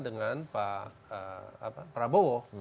dengan pak prabowo